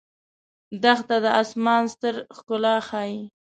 دښته د آسمان ستر ښکلا ښيي.